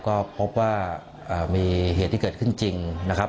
ก็พบว่ามีเหตุที่เกิดขึ้นจริงนะครับ